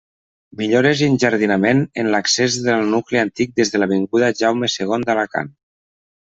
Millores i enjardinament en l'accés al nucli antic des de l'avinguda Jaume segon d'Alacant.